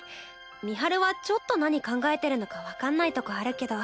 美晴はちょっと何考えてるのか分かんないとこあるけど。